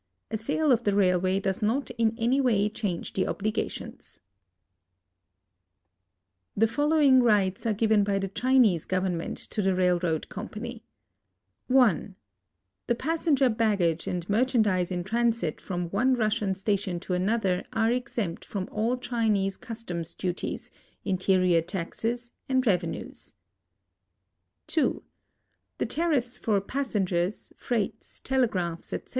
A sale of the railway does not in anyway change the obligations. The following rights are given by the Chinese government to the railroad company : (1) The passenger baggage and mer chandise in transit from one Russian station to another are exempt from all Chinese customs duties, interior taxes, and reve nues ; (2) thetariflis for passengers, freights, telegraphs, etc.